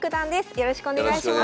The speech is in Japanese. よろしくお願いします。